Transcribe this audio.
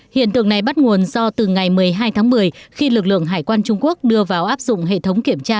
hiện tượng này bắt nguồn do từ ngày một mươi hai tháng một mươi khi lực lượng hải quan trung quốc đưa vào áp dụng hệ thống kiểm tra